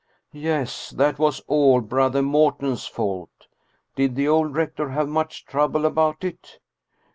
" Yes, that was all Brother Morten's fault. Did the old rector have much trouble about it?"